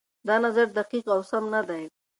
دا نظر دقيق او سم نه دی.